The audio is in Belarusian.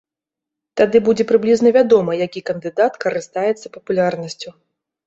Тады будзе прыблізна вядома, які кандыдат карыстаецца папулярнасцю.